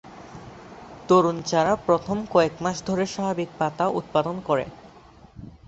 তরুণ চারা প্রথম কয়েক মাস ধরে স্বাভাবিক পাতা উৎপাদন করে।